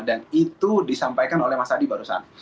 dan itu disampaikan oleh mas adi barusan